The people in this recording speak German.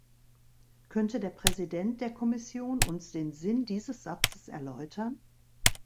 Könnte der Präsident der Kommission uns den Sinn dieses Satzes erläutern?